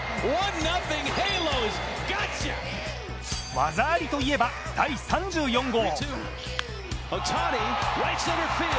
技ありといえば第３４号。